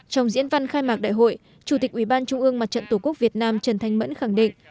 trong diễn văn khai mạc đại hội chủ tịch ubnd mặt trận tổ quốc việt nam trần thanh mẫn khẳng định